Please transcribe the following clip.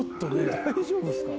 大丈夫ですか？